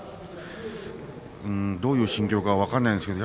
どういう心境か分からないですけど